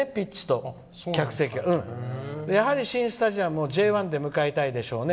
やはり新スタジアムをＪ１で迎えたいですよね。